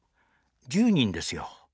１０人ですよ。